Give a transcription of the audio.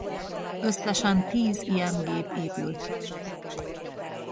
Összesen tíz ilyen gép épült.